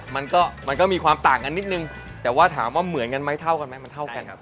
มันก็มันก็มีความต่างกันนิดนึงแต่ว่าถามว่าเหมือนกันไหมเท่ากันไหมมันเท่ากันครับ